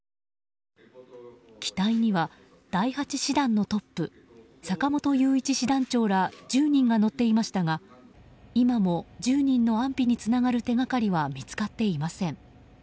機体には第８師団のトップ坂本雄一師団長ら１０人が乗っていましたが、今も１０人の安否につながる手がかりは見つかっていません。